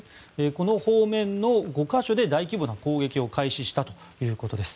この方面の５か所で大規模な攻撃を開始したということです。